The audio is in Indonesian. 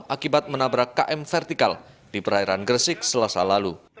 akibat menabrak km vertikal di perairan gresik selasa lalu